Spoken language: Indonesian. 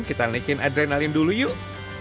kita naikin adrenalin dulu yuk